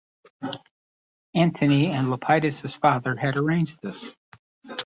Antony and Lepidus' father had arranged this.